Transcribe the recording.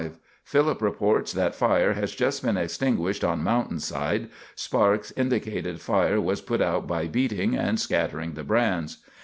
Philip reports that fire has just been extinguished on mountain side. Sparks indicated fire was put out by beating and scattering the brands.